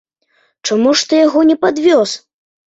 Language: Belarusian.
Чаму ж ты яго не падвёз?